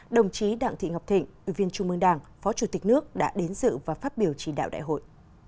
đồng chí đặng thị ngọc thịnh ủy viên trung mương đảng phó chủ tịch nước đã đến dự và phát biểu chỉ đạo đại hội